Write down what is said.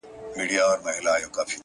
اوس يې صرف غزل لولم! زما لونگ مړ دی!